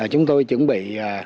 chúng tôi chuẩn bị